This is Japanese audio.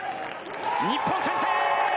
日本、先制！